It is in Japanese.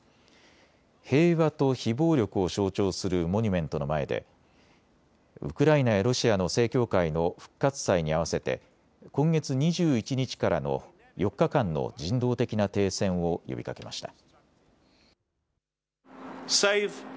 平和と非暴力を象徴するモニュメントの前でウクライナやロシアの正教会の復活祭に合わせて今月２１日からの４日間の人道的な停戦を呼びかけました。